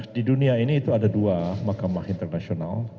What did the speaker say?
di dunia ini itu ada dua mahkamah internasional